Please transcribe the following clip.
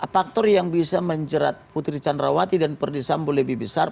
faktor yang bisa menjerat putri candrawati dan perdisambo lebih besar